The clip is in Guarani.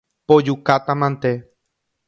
Pojukátamante.